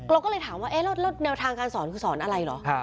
เราก็เลยถามว่าเอ๊ะแล้วแนวทางการสอนคือสอนอะไรเหรอ